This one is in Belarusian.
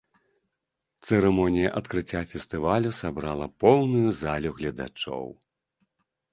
Цырымонія адкрыцця фестывалю сабрала поўную залю гледачоў.